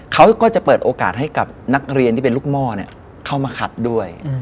เขาก็จะเปิดโอกาสให้กับนักเรียนที่เป็นลูกหม้อเข้ามาขัดด้วย